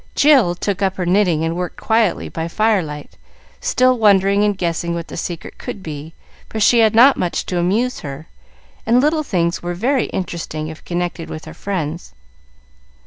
Jill took up her knitting and worked quietly by firelight, still wondering and guessing what the secret could be; for she had not much to amuse her, and little things were very interesting if connected with her friends.